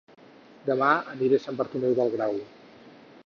Dema aniré a Sant Bartomeu del Grau